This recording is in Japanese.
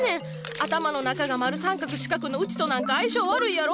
頭の中が丸三角四角のウチとなんか相性悪いやろ？